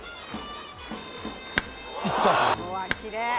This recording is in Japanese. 行った！